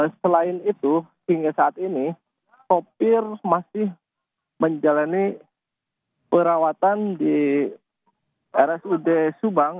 selain itu hingga saat ini sopir masih menjalani perawatan di rsud subang